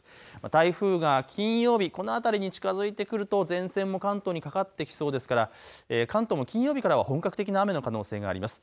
台風が金曜日、この辺りに近づいてくると前線も関東にかかってきそうですから関東も金曜日からは本格的な雨の可能性があります。